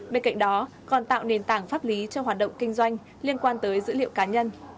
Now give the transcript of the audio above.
bên cạnh đó còn tạo nền tảng pháp lý cho hoạt động kinh doanh liên quan tới dữ liệu cá nhân